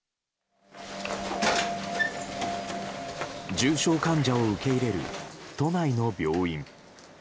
重症患者を受け入れる都内の病院。